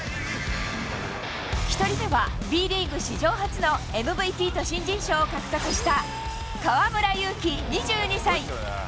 １人目は、Ｂリーグ史上初のＭＶＰと新人賞を獲得した河村勇輝２２歳。